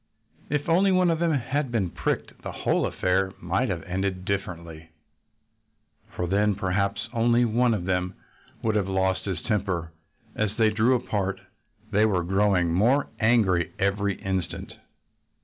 If only one of them had been pricked the whole affair might have ended differently. For then perhaps only one of them would have lost his temper. As they drew apart they were growing more angry every instant.